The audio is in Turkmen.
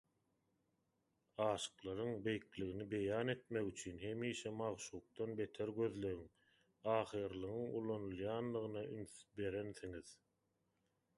Aşyklaryň beýikligini beýan etmek üçin hemişe magşukdan beter gözlegiň agyrlygynyň ulanylýandygyna üns berensiňiz.